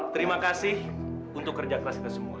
terima kasih untuk kerja keras kita semua